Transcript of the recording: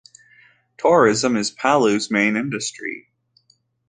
Tourism is Palau's main industry.